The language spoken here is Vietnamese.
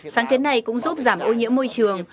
sáng kiến này cũng giúp giảm ô nhiễm môi trường